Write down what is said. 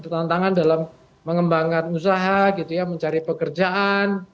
tantangan dalam mengembangkan usaha gitu ya mencari pekerjaan